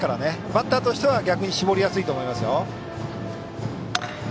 バッターとしては逆に絞りやすいと思います。